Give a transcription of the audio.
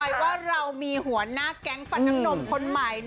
ให้ออกไปว่าเรามีหัวหน้าแก๊งฝั่นน้ำคนใหม่